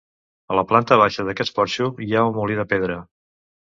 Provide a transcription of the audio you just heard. A la planta baixa d'aquest porxo hi ha un molí de pedra.